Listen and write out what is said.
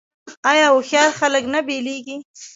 آیا هوښیار خلک نه بیلیږي؟